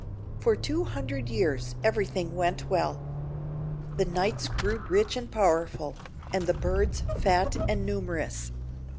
For two hundred years everything went well; the knights grew rich and powerful, and the birds fat and numerous.